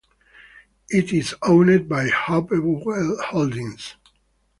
It is owned by Hopewell Holdings.